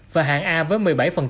và hạng a với một mươi bảy